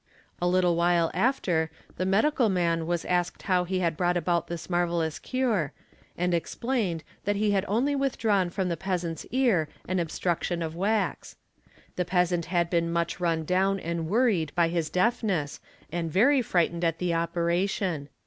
A little while after the medical man was asked how he had brought about this marvellous cure, and explained that he had only withdrawn from the peasant' s ear an obstruction of wax. The peasant had been much run down and worried by his deafness and very frightened at the operation.